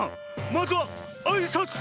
まずはあいさつ！